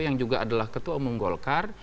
yang juga adalah ketua umum golkar